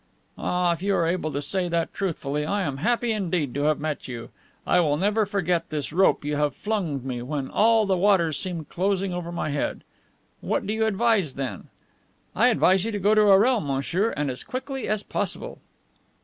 "Ah, if you are able to say that truthfully, I am happy indeed to have met you. I will never forget this rope you have flung me when all the waters seemed closing over my head. 'What do you advise, then?" "I advise you to go to Orel, monsieur, and as quickly as possible."